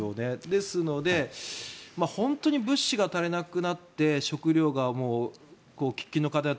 ですので本当に物資が足りなくなって食料が喫緊の課題